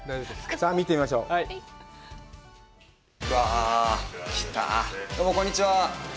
どうも、こんにちは。